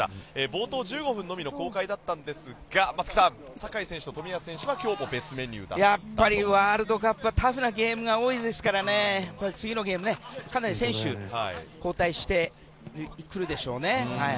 冒頭１５分のみの公開だったんですが松木さん、酒井選手と冨安選手はやっぱりワールドカップはタフなゲームが多いので次のゲーム、かなり選手交代してくるでしょうね。